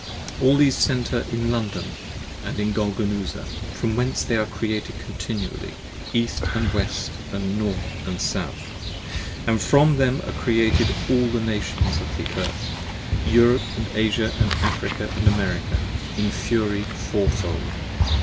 All these Center in London & in Golgonooza, from whence They are Created continually, East & West & North & South: 30 And from them are Created all the Nations of the Earth, Europe & Asia & Africa & America, in fury Fourfold!